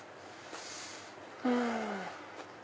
うん。